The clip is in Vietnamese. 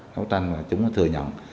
đấu tranh và chúng tôi thừa nhận